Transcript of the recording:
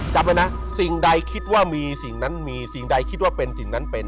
จำไว้นะสิ่งใดคิดว่ามีสิ่งนั้นมีสิ่งใดคิดว่าเป็นสิ่งนั้นเป็น